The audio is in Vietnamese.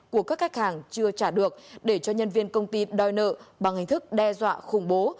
của các khách hàng chưa trả được để cho nhân viên công ty đòi nợ bằng hình thức đe dọa khủng bố